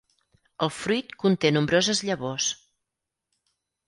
El fruit conté nombroses llavors.